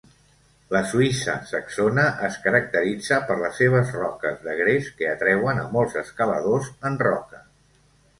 La Suïssa saxona es caracteritza per les seves roques de gres que atreuen a molts escaladors en roca.